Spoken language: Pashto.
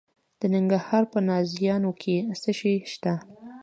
د ننګرهار په نازیانو کې څه شی شته؟